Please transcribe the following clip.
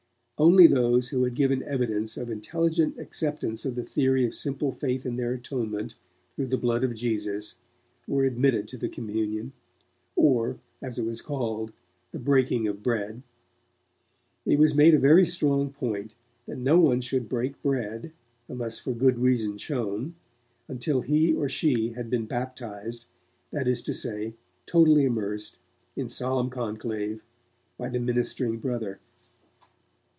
Only those who had given evidence of intelligent acceptance of the theory of simple faith in their atonement through the Blood of Jesus were admitted to the communion, or, as it was called, 'the Breaking of Bread'. It was made a very strong point that no one should 'break bread', unless for good reason shown until he or she had been baptized, that is to say, totally immersed, in solemn conclave, by the ministering brother.